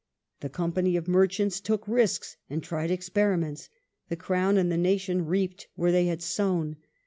The " com pany of merchants " took risks and tried experiments, the Crown and the nation reaped where they had sown.